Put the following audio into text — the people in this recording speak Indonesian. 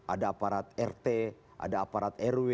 ada aparat rt ada aparat rw